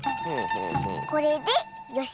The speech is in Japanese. これでよし。